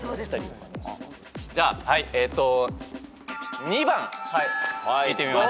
じゃあ２番いってみます。